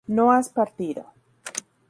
no has partido